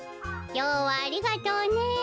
きょうはありがとうねえ。